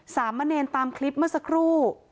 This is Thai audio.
สามเณรตามคลิปเมื่อสักครู่